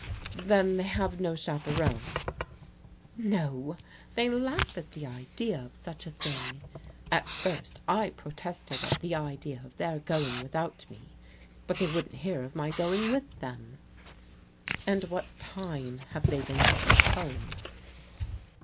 €1 Then they have no chaperon?" " No, they laugh at the idea of such a thing. At first, I protested at the idea of their going without me, but they wouldn't hear of my going with them." " And what time have they been getting home?